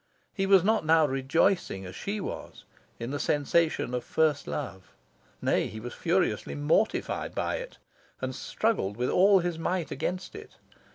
He was not now rejoicing, as she was, in the sensation of first love; nay, he was furiously mortified by it, and struggled with all his might against it.